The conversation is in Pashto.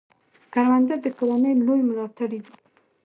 کروندګر د کورنۍ لوی ملاتړی دی